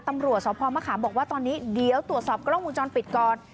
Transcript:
ตำรวจสพมะขามบอกว่าตอนนี้เดี๋ยวตรวจสอบกล้องวงจรปิดก่อน